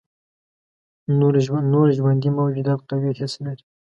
نور ژوندي موجودات قوي حس لري.